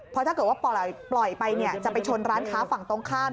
เพราะถ้าเกิดว่าปล่อยไปจะไปชนร้านค้าฝั่งตรงข้าม